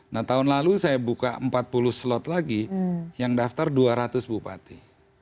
nah tahun lalu saya buka empat puluh slot lagi yang daftar dua ratus bupati